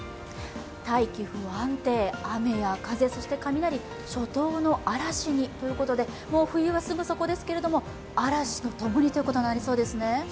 大気の不安定、雨や風そして雷、初冬の嵐にということでもう冬はすぐそこですけれども嵐ということになりそうですね。